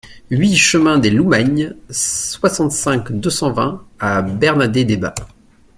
huit chemin des Loumagnes, soixante-cinq, deux cent vingt à Bernadets-Debat